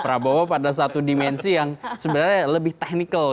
prabowo pada satu dimensi yang sebenarnya lebih teknikal